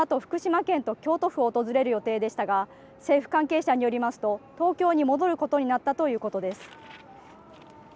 このあと福島県と京都府を訪れる予定でしたが政府関係者によりますと東京に戻ることになったということです。